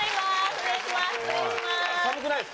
お願いします。